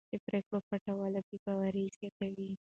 د پرېکړو پټوالی بې باوري زیاتوي